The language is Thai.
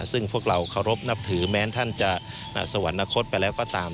ซึ่งพวกเราเคารพนับถือแม้ท่านจะสวรรคตไปแล้วก็ตาม